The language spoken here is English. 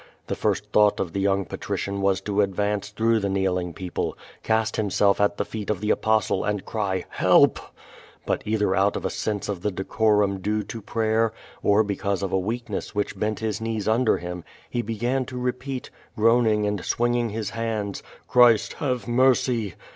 The first thought of the young patrician was to advance through the kneeling peo])lo, cast himself at the feet of the Apostle, and cry, '*IIelp!" But either out of a sense of the decorum due to prayer, or because of a weakness which bent his knees under him, he began to repeat, groaning and swinging his hands, "Christ have mercy!"